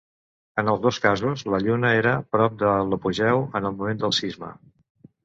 En els dos casos, la Lluna era prop de l'apogeu en el moment del sisme.